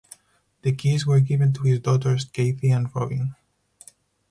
The keys were given to his daughters, Cathy and Robin.